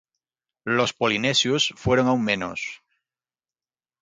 Los polinesios fueron aún menos.